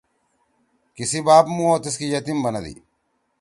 کسی باپ مُواو تیس کے یتیم بنّدی۔